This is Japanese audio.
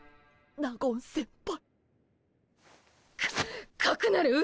納言先輩。